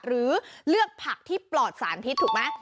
หรือเลือกผักที่ปลอดสารพิษถูกไหม